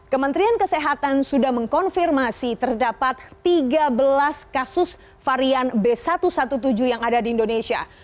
kementerian kesehatan sudah mengkonfirmasi terdapat tiga belas kasus varian b satu satu tujuh yang ada di indonesia